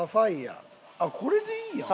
あっこれでいいやん。